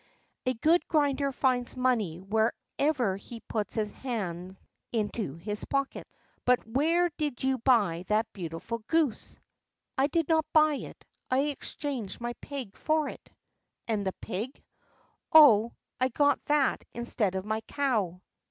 A good grinder finds money whenever he puts his hand into his pocket. But where did you buy that beautiful goose?" "I did not buy it; I exchanged my pig for it." "And the pig?" "Oh, I got that instead of my cow."